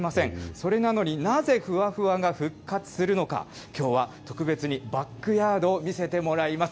それなのになぜふわふわが復活するのか、きょうは特別にバックヤードを見せてもらいます。